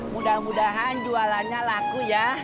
mudah mudahan jualannya laku ya